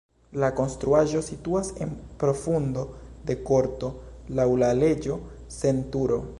La konstruaĵo situas en profundo de korto, laŭ la leĝo sen turo.